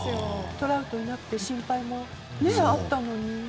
トラウトいなくて心配もあったのに。